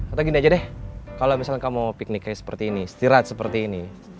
atau gini aja deh kalau misalnya kamu pikniknya seperti ini istirahat seperti ini